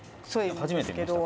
初めて見ました。